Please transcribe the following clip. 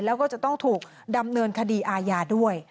แล้วก็จะต้องถูกดำเนินคดีอาญาด้วย